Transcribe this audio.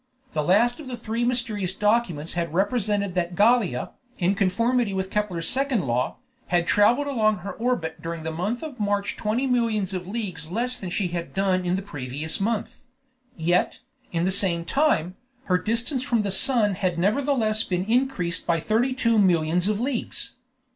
The last of the three mysterious documents had represented that Gallia, in conformity with Kepler's second law, had traveled along her orbit during the month of March twenty millions of leagues less than she had done in the previous month; yet, in the same time, her distance from the sun had nevertheless been increased by thirty two millions of leagues.